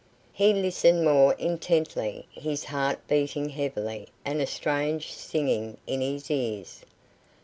He listened more intently, his heart beating heavily, and a strange singing in his ears.